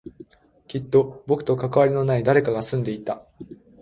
きっと僕と関わりのない誰かが住んでいた